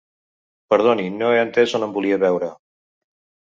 Perdoni, no he entès on em volia veure.